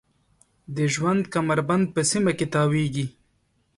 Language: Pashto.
د ژوند کمربند په سیمه کې تاویږي.